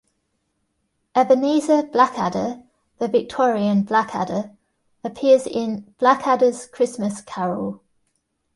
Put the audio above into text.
Ebenezer Blackadder, the Victorian Blackadder, appears in "Blackadder's Christmas Carol".